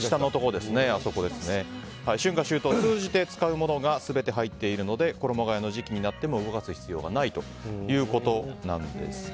春夏秋冬通じて使うものが全て入っているので衣替えの時期になっても動かす必要がないということなんです。